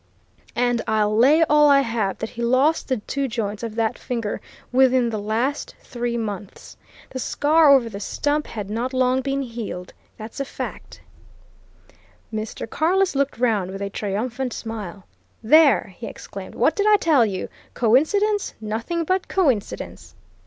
And I'll lay all I have that he lost the two joints of that finger within the last three months! The scar over the stump had not long been healed. That's a fact!" Mr. Carless looked round with a triumphant smile. "There!" he exclaimed. "What did I tell you? Coincidence nothing but coincidence!"